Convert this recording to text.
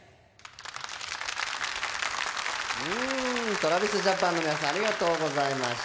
ＴｒａｖｉｓＪａｐａｎの皆さんありがとうございました。